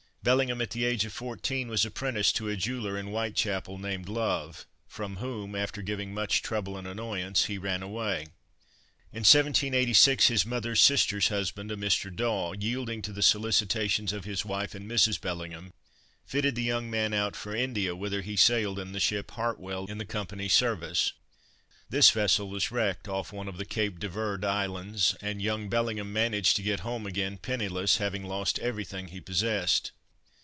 Bellingham, at the age of fourteen, was apprenticed to a jeweller in Whitechapel, named Love, from whom, after giving much trouble and annoyance, he ran away. In 1786 his mother's sister's husband, a Mr. Daw, yielding to the solicitations of his wife and Mrs. Bellingham, fitted the young man out for India, whither he sailed in the ship Hartwell, in the Company's service. This vessel was wrecked off one of the Cape de Verd Islands, and young Bellingham managed to get home again, penniless having lost everything he possessed.